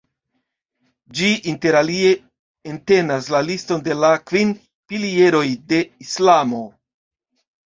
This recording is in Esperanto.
Ĝi interalie entenas la liston de la kvin pilieroj de Islamo.